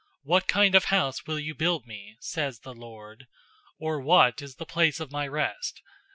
What kind of house will you build me?' says the Lord; 'or what is the place of my rest?